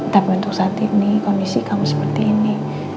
tapi untuk saat ini kondisi kamu seperti ini